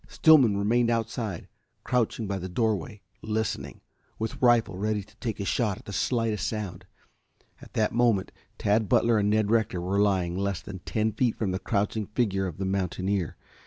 Stillman remained outside, crouching by the doorway listening, with rifle ready to take a shot at the slightest sound. At that moment Tad Butler and Ned Rector were lying less than ten feet from the crouching figure of the mountaineer.